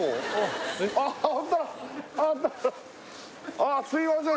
ああすいません